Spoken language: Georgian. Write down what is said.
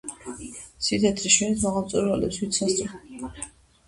სითეთრე შვენის მაღალ მწვერვალებს ვით სასძლოს ფარჩა და ალმასები